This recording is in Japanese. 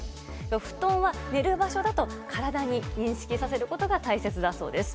布団は寝る場所だと体に認識させることが大切だそうです。